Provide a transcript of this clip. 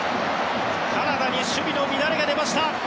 カナダに守備の乱れが出ました。